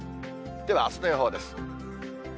では、あすの予報です。